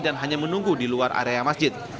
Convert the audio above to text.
dan hanya menunggu di luar area masjid